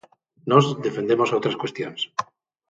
Nós defendemos outras cuestións.